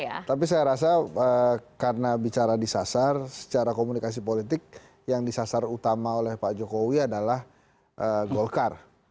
ya tapi saya rasa karena bicara disasar secara komunikasi politik yang disasar utama oleh pak jokowi adalah golkar